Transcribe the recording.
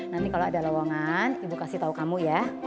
nah ini kalau ada lowongan ibu kasih tau kamu ya